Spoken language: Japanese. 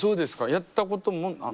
やったことも？ない。